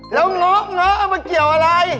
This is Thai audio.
แล้วหงอกหงอกเอามาเกี่ยวอะไร